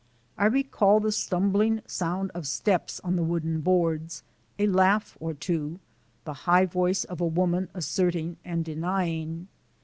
I recall the stumbling sound of steps on the wooden boards, a laugh or two, the high voice of a woman asserting and denying.